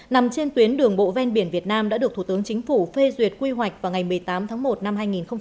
nằm trên tuyến đường bộ ven biển việt nam đã được thủ tướng chính phủ phê duyệt quy hoạch vào ngày một mươi tám tháng một năm hai nghìn hai mươi